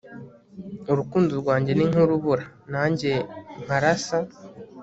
urukundo rwanjye ni nk'urubura, nanjye nkarasa